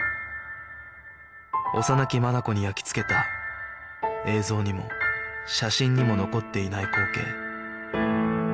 幼き眼に焼き付けた映像にも写真にも残っていない光景